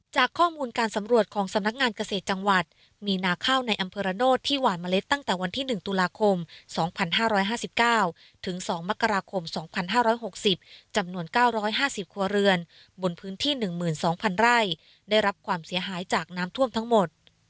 จากข้อมูลการสำรวจของสำนักงานเกษตรจังหวัดมีนาข้าวในอำเภอระโนธที่หวานเมล็ดตั้งแต่วันที่๑ตุลาคม๒๕๕๙ถึง๒มกราคม๒๕๖๐จำนวน๙๕๐ครัวเรือนบนพื้นที่๑๒๐๐๐ไร่ได้รับความเสียหายจากน้ำท่วมทั้งหมด